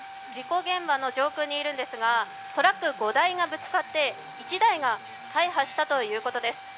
事故現場の上空にいるんですがトラック５台がぶつかって１台が大破したということです